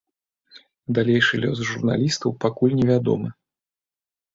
Далейшы лёс журналістаў пакуль невядомы.